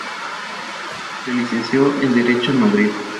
Se licenció en Derecho en Madrid.